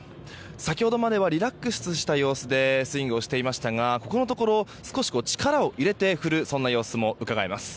先ほどまではリラックスした様子でスイングをしていましたがここのところ少し力を入れて振る様子もうかがえます。